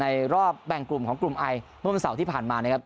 รอบแบ่งกลุ่มของกลุ่มไอเมื่อวันเสาร์ที่ผ่านมานะครับ